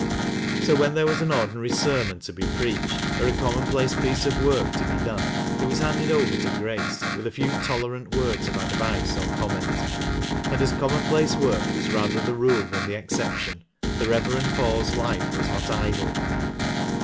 So, when there was an ordinary sermon to be preached, or a commonplace piece of work to be done, it was handed over to Grace, with a few tolerant words of advice or com ment, and as commonplace work was rather the rule than the exception, the Reverend Paul's life was not idle.